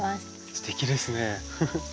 すてきですね。